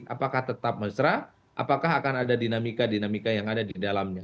apakah tetap mesra apakah akan ada dinamika dinamika yang ada di dalamnya